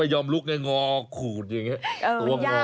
ไม่ยอมลุกง่ายง่อขูดอย่างเงี้ย